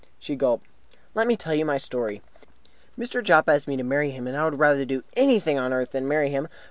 She gulped. "Let me tell you my story. Mr. Jopp asked me to marry him, and I would rather do anything on earth than marry him.